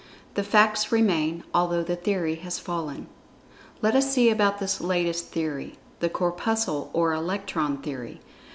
The facts remain, although the theory has fallen. Let us see about this latest theory—the Corpuscle or Electron Theory.